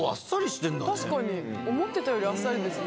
確かに思ってたよりあっさりですね。